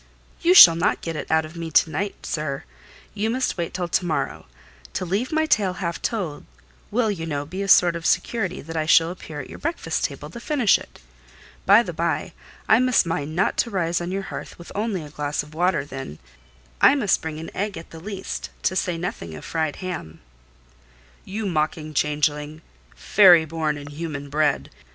"You shall not get it out of me to night, sir; you must wait till to morrow; to leave my tale half told, will, you know, be a sort of security that I shall appear at your breakfast table to finish it. By the bye, I must mind not to rise on your hearth with only a glass of water then: I must bring an egg at the least, to say nothing of fried ham." "You mocking changeling—fairy born and human bred!